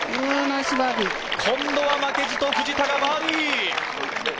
ナイスバ今度は負けじと藤田がバーディー！